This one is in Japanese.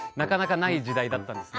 ない時代だったんですよ。